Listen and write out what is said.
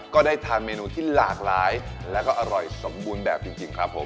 ก็ได้ทานเมนูที่หลากหลายแล้วก็อร่อยสมบูรณ์แบบจริงครับผม